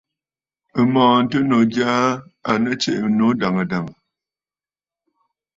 M̀mɔ̀ɔ̀ŋtənnǔ jyaa à nɨ tsiʼǐ ɨnnǔ dàŋə̀ dàŋə̀.